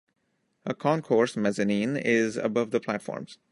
A concourse mezzanine is above the platforms.